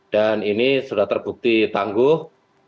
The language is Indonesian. dan ini sudah terbukti tangguh